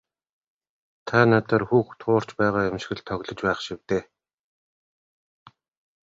Та надаар хүүхэд хуурч байгаа юм шиг л тоглож байх шив дээ.